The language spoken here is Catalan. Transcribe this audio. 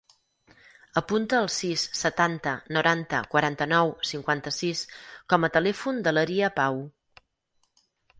Apunta el sis, setanta, noranta, quaranta-nou, cinquanta-sis com a telèfon de l'Arya Pau.